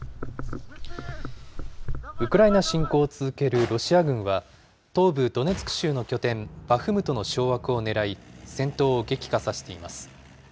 ウクライナ侵攻を続けるロシア軍は、東部ドネツク州の拠点、バフムトの掌握をねらい、戦闘を激化させています。